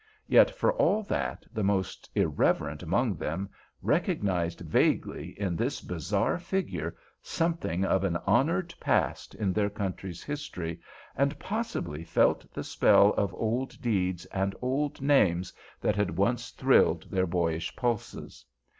Yet for all that the most irreverent among them recognized vaguely, in this bizarre figure, something of an honored past in their country's history, and possibly felt the spell of old deeds and old names that had once thrilled their boyish pulses.